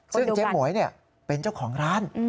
ซึ่งเจ๊หมวยเป็นเจ้าของร้าน